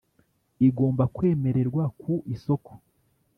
igomba kwemererwa ku isoko